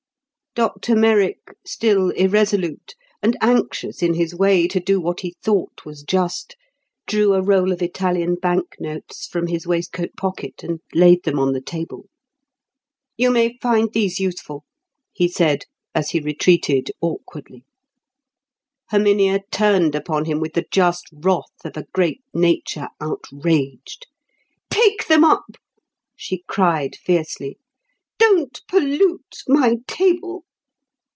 Dr Merrick still irresolute, and anxious in his way to do what he thought was just, drew a roll of Italian bank notes from his waistcoat pocket, and laid them on the table. "You may find these useful," he said, as he retreated awkwardly. Herminia turned upon him with the just wrath of a great nature outraged. "Take them up!" she cried fiercely. "Don't pollute my table!"